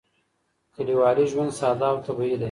کلیوالي ژوند ساده او طبیعي دی.